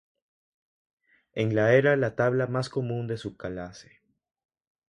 En la era la tabla más común de su clase.